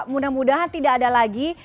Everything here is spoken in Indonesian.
mudah mudahan tidak ada lagi